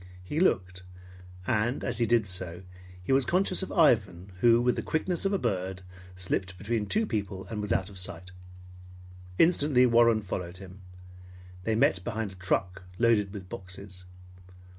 He looked; and as he did so, he was conscious of Ivan who, with the quickness of a bird, slipped between two people, and was out of sight. Instantly Warren followed him. They met behind a truck loaded with boxes.